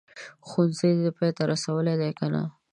ښوونځی دي پای ته رسولی دی که نه ؟